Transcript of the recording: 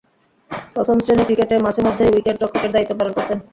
প্রথম-শ্রেণীর ক্রিকেটে মাঝে-মধ্যেই উইকেট-রক্ষকের দায়িত্ব পালন করতেন।